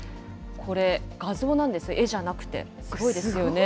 これ、画像なんです、絵じゃなくて、すごいですよね。